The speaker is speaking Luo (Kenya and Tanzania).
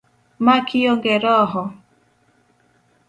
Ma kionge roho?